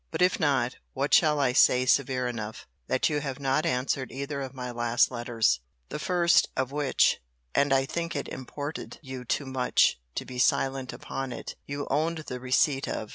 But if not, what shall I say severe enough, that you have not answered either of my last letters? the first* of which [and I think it imported you too much to be silent upon it] you owned the receipt of.